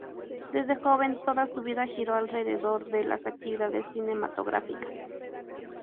Desde joven toda su vida giró alrededor de las actividades cinematográficas.